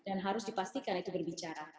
dan harus dipastikan itu berbicara